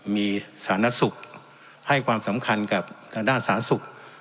มีศาลนักศึกษ์ให้ความสำคัญของดาวศาลนักศึกษ์